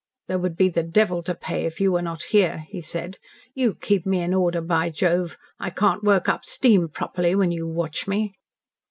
"There would be the devil to pay if you were not here," he said. "You keep me in order, by Jove! I can't work up steam properly when you watch me."